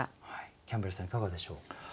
キャンベルさんいかがでしょう？